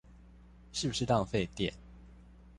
是不是浪費電